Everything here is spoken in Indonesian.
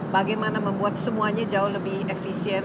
bagaimana membuat semuanya jauh lebih efisien